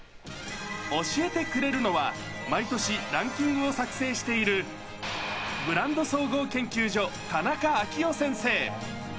教えてくれるのは、毎年ランキングを作成しているブランド総合研究所、田中章雄先生。